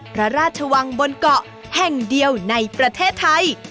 พระราชวังบนเกาะแห่งเดียวในประเทศไทย